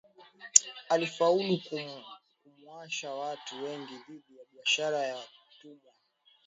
Alifaulu kuamsha watu wengi dhidi ya biashara ya watumwa